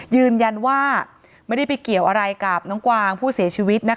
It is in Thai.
ยืนยันว่าไม่ได้ไปเกี่ยวอะไรกับน้องกวางผู้เสียชีวิต